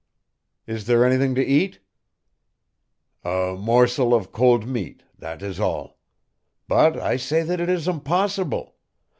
"Is there anything to eat?" "A morsel of cold meat that is all. But I say that it is impossible.